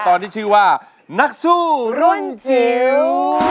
ตอนนี้ชื่อว่านักสู้รุ่นจิ๋ว